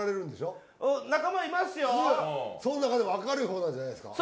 そん中でも明るいほうなんじゃないですか？